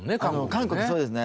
韓国そうですね。